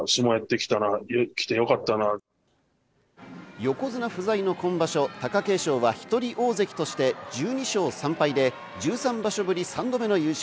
横綱不在の今場所、貴景勝は一人大関として、１２勝３敗で１３場所ぶり３度目の優勝。